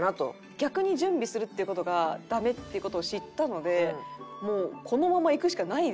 逆に準備するっていう事がダメっていう事を知ったのでこのままいくしかないですもんね。